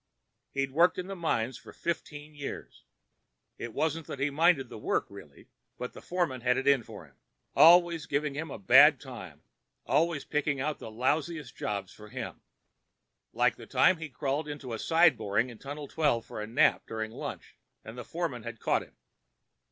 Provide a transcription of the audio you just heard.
He'd worked in the mines for fifteen years. It wasn't that he minded work really, but the foreman had it in for him. Always giving him a bad time; always picking out the lousy jobs for him. Like the time he'd crawled into a side boring in Tunnel 12 for a nap during lunch and the foreman had caught him.